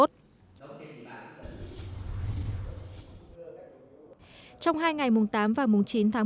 trong hai ngày mùng tám và mùng chín tháng một mươi